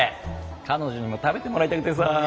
彼女にも食べてもらいたくてさ。